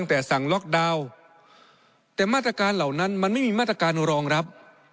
แต่สั่งล็อกดาวน์แต่มาตรการเหล่านั้นมันไม่มีมาตรการรองรับ